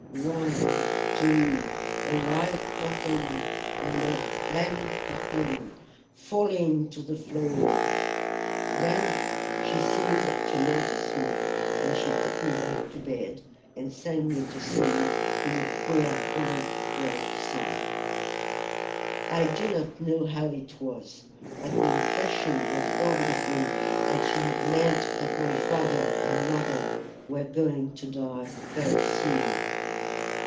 "One two a light coffin and a heavy coffin, falling to the floor!" Then she seemed to notice me, and she took me back to bed and sang me to sleep with a queer old Welsh song. I do not know how it was, but the impression got hold of me that she had meant that my father and mother were going to die very soon.